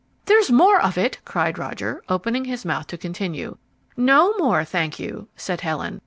"There's more of it," cried Roger, and opened his mouth to continue. "No more, thank you," said Helen.